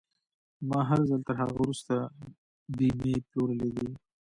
ما هر ځل تر هغه وروسته بيمې پلورلې دي.